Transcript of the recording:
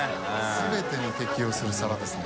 全てに適応する皿ですね。